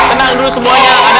tenang dulu semuanya